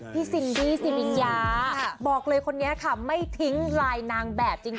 ซินดี้สิริญญาบอกเลยคนนี้ค่ะไม่ทิ้งลายนางแบบจริง